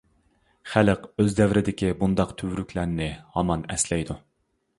خەلق ئۆز دەۋرىدىكى بۇنداق تۈۋرۈكلەرنى ھامان ئەسلەيدۇ.